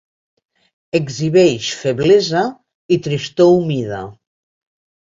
Exhibeix feblesa i tristor humida.